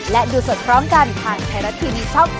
และดูสดพร้อมกันทางไทยรัฐทีวีช่อง๓